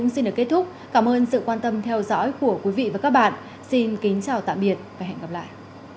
xin chào tạm biệt và hẹn gặp lại